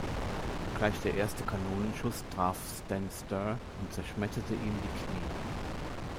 Gleich der erste Kanonenschuss traf Sten Sture und zerschmetterte ihm die Knie.